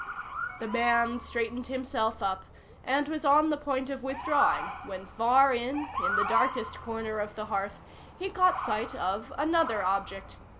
The man straightened himself up, and was on the point of withdrawing, when far in, in the darkest corner of the hearth, he caught sight of another object.